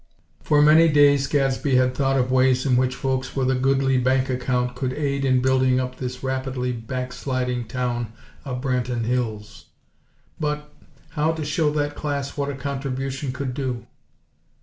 For many days Gadsby had thought of ways in which folks with a goodly bank account could aid in building up this rapidly backsliding town of Branton Hills. But, how to show that class what a contribution could do?